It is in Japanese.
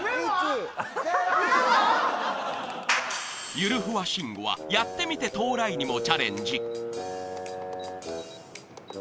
［ゆるふわシンゴはやってみてＴＲＹにもチャレンジ］